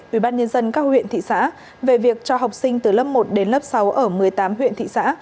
ubnd các huyện thị xã về việc cho học sinh từ lớp một đến lớp sáu ở một mươi tám huyện thị xã